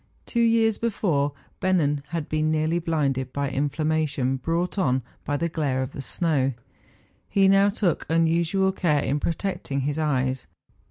Two years before Bennen had been nearly blinded by inflammation, brought on by the glare of the snow, and he now took unusual care in protecting his eyes.